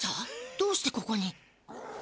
どうしてここに？